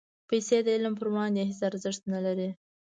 پېسې د علم پر وړاندې هېڅ ارزښت نه لري.